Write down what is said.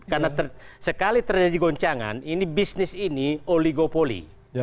karena sekali terjadi goncangan bisnis ini oligopoli